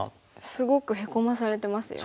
すごくヘコまされてますよね。